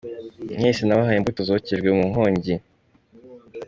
Mwese nabahaye imbuto zokejwe mu nkongi.